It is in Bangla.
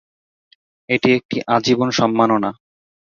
এটি একটি আজীবন সম্মাননা।